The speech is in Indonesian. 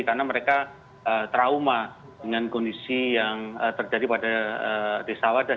karena mereka trauma dengan kondisi yang terjadi pada desa wadas